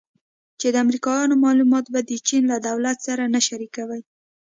چې د امریکایانو معلومات به د چین له دولت سره نه شریکوي